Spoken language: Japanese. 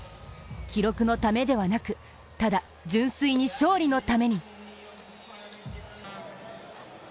記録のためではなく、ただ純粋に勝利のために。